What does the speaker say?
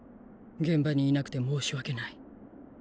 現場にいなくて申し訳ない。